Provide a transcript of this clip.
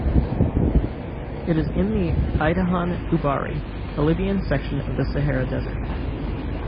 It is in the Idehan Ubari, a Libyan section of the Sahara Desert.